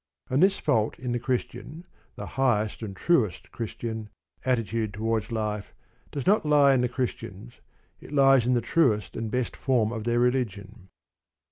And this fault in the Christian the highest and truest Christian attitude towards life does not lie in the Christians: it lies in the truest and best form of their religion.